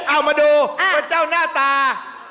เอามาดูว่าเจ้าหน้าตา